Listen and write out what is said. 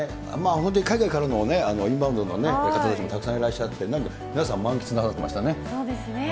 本当に海外からのインバウンドの方たちもたくさんいらっしゃって、そうですね。